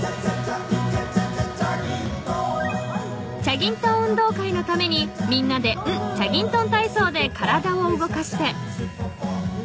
［チャギントンうんどうかいのためにみんなで『ン！チャギントン体操』で体を動かして］